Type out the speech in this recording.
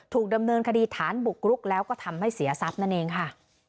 ถูกดำเนินคดีฐานบุกรุกแล้วก็ทำให้เสียทรัพย์นั่นเองค่ะ